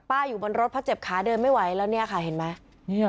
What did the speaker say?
อยู่บนรถเพราะเจ็บขาเดินไม่ไหวแล้วเนี่ยค่ะเห็นไหม